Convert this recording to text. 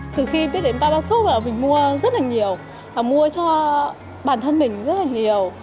từ khi biết đến babasub là mình mua rất là nhiều mua cho bản thân mình rất là nhiều